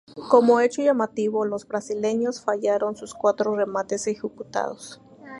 Como hecho llamativo, los brasileños fallaron sus cuatro remates ejecutados.